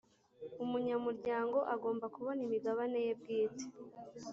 umunyamuryango agomba kubona imigabane ye bwite